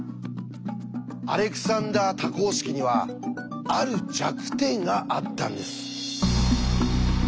アレクサンダー多項式にはある弱点があったんです。